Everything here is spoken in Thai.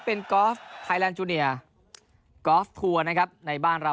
เป็นไทยแลนด์จูเนียร์ทูอร์นะครับในบ้านเรา